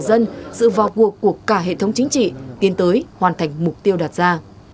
những người dân dự vào cuộc của cả hệ thống chính trị tiến tới hoàn thành mục tiêu đạt ra